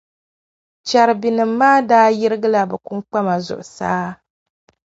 Chɛrubinim’ maa daa yirigila bɛ kpiŋkpama zuɣusaa.